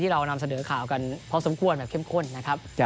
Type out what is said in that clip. เรานำเสนอข่าวกันพอสมควรแบบเข้มข้นนะครับ